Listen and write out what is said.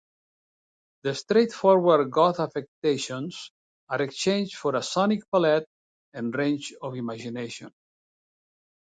The straightforward goth affectations are exchanged for a sonic palette and range of imagination.